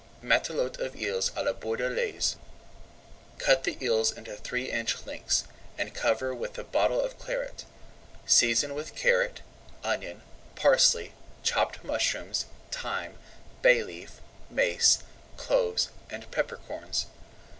MATELOTE OF EELS À LA BORDELAISE Cut the eels into three inch lengths, and cover with a bottle of Claret. Season with carrot, onion, parsley, chopped mushrooms, thyme, bay leaf, mace, cloves, and peppercorns.